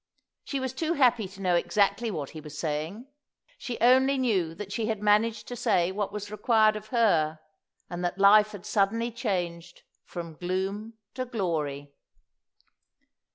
She was too happy to know exactly what he was saying; she only knew that she had managed to say what was required of her, and that life had suddenly changed from gloom to glory.